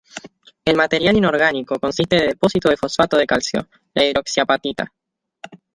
El material inorgánico consiste de depósito de fosfato de calcio, la hidroxiapatita.